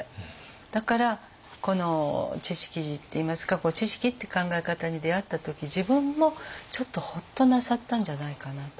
だからこの智識寺っていいますか智識って考え方に出会った時自分もちょっとホッとなさったんじゃないかなと。